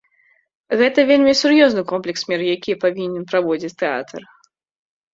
Гэта вельмі сур'ёзны комплекс мер якія павінен праводзіць тэатр.